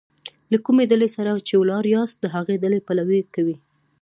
له کومي ډلي سره چي ولاړ یاست؛ د هغي ډلي پلوي کوئ!